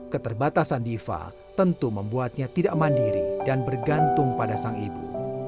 keterbatasan diva tentu membuatnya tidak mandiri dan bergantung pada sang ibu